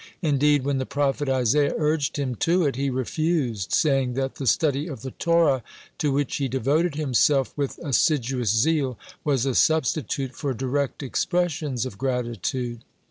Indeed, when the prophet Isaiah urged him to it, he refused, saying that the study of the Torah, to which he devoted himself with assiduous zeal, was a substitute for direct expressions of gratitude.